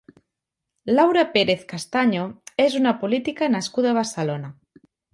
Laura Pérez Castaño és una política nascuda a Barcelona.